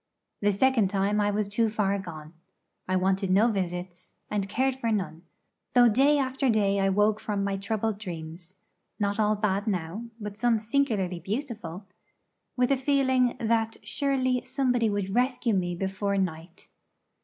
The second time I was too far gone; I wanted no visits, and cared for none, though day after day I woke from my troubled dreams not all bad now, but some singularly beautiful with a feeling that surely somebody would rescue me before night.